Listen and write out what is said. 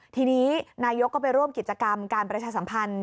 ทีนี้นายกก็ไปร่วมกิจกรรมการประชาสัมพันธ์